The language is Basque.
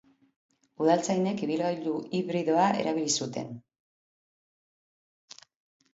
Udaltzainek ibilgailu hibridoa erabili zuten.